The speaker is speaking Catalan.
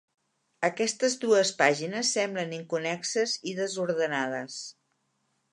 Aquestes dues pàgines semblen inconnexes i desordenades.